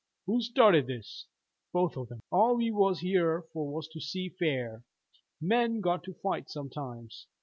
"Who started this?" "Both of them. All we was here for was to see fair. Men got to fight sometimes."